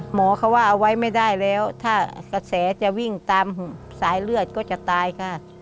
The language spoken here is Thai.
หมอเขาว่าเอาไว้ไม่ได้แล้วถ้ากระแสจะวิ่งตามสายเลือดก็จะตายค่ะ